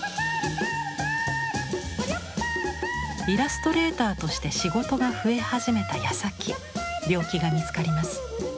イラストレーターとして仕事が増え始めたやさき病気が見つかります。